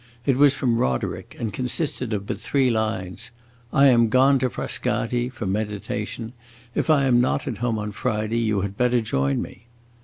It was from Roderick, and consisted of but three lines: "I am gone to Frascati for meditation. If I am not at home on Friday, you had better join me."